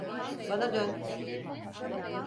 Bana dön.